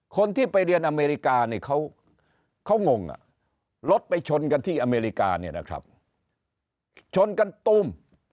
คนที่ไปเรียนอเมริกาเขางงรถไปชนกันที่อเมริกาชนกันตุ้ม